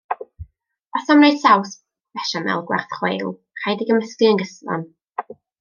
Os am wneud saws béchamel gwerth chweil, rhaid ei gymysgu yn gyson.